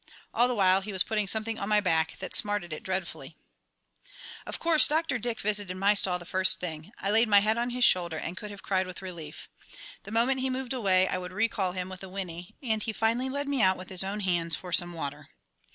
All the while he was putting something on my back that smarted it dreadfully. Of course, Dr. Dick visited my stall the first thing. I laid my head on his shoulder and could have cried with relief. The moment he moved away I would recall him with a whinny, and he finally led me out with his own hands for some water.